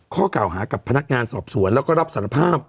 ข้อเก่าหากับพนักงานสอบสวนแล้วก็รับสารภาพ